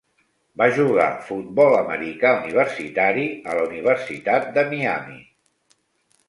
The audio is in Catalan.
Va jugar futbol americà universitari a la Universitat de Miami.